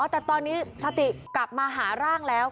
แต่ตอนนี้สติกลับมาหาร่างแล้ว